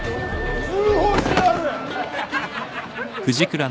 通報してやる。